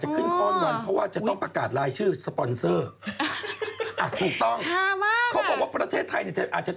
คือมอเตอร์ไซล์รับจ้างทางบัญชาที่ประเทศไทย